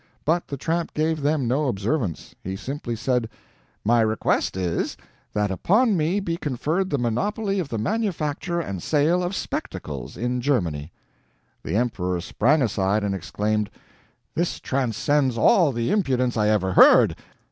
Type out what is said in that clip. But the tramp gave them no observance. He simply said: "My request is, that upon me be conferred the monopoly of the manufacture and sale of spectacles in Germany." The emperor sprang aside and exclaimed: "This transcends all the impudence I ever heard!